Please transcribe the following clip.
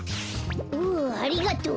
ふうありがとう。